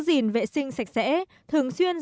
gìn vệ sinh sạch sẽ thường xuyên rửa bệnh